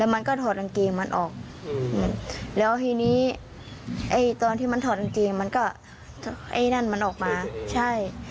มันก็ไอ้นั่นมันออกมาใช่